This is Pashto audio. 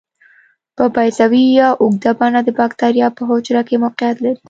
په بیضوي یا اوږده بڼه د باکتریا په حجره کې موقعیت لري.